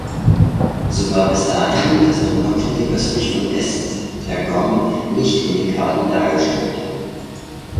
So war bis dahin das Donauknie östlich von Esztergom nicht in den Karten dargestellt.